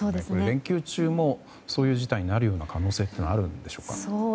連休中もそういう事態になる可能性はあるんでしょうか？